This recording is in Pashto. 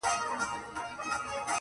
زه سلطان یم د هوا تر آسمانونو؛